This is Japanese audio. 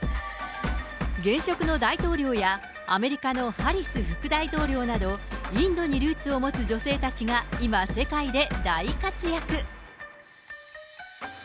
現職の大統領やアメリカのハリス副大統領など、インドにルーツを持つ女性たちが今、世界で大活躍。